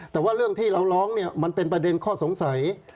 แต่ว่าเรื่องที่เราร้องเนี่ยมันเป็นประเด็นข้อสงสัย